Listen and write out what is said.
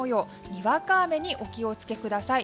にわか雨にお気を付けください。